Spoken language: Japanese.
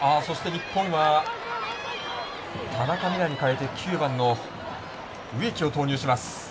日本は、田中美南に代えて９番の植木を投入します。